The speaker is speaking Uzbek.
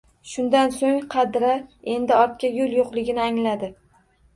Shundan soʻng Qadira endi ortga yoʻl yoʻqligini angladi